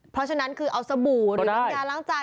เพราะฉะนั้นคือเอาสบู่หรือน้ำยาล้างจาน